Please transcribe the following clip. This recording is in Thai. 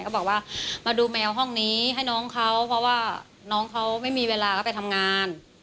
ก็บอกว่ามาดูแมวห้องนี้ให้น้องเขาเพราะว่าน้องเขาไม่มีเวลาก็ไปทำงาน